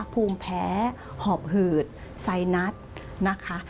ภูมิแพ้หอบหืดไซนัสนะคะ